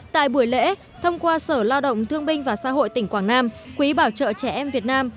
tại buổi lễ thông qua sở lao động thương binh và xã hội tỉnh quảng nam quỹ bảo trợ trẻ em việt nam